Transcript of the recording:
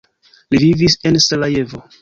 Li vivis en Sarajevo.